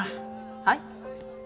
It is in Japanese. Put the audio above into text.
はい？